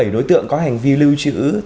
bảy đối tượng có hành vi lưu trữ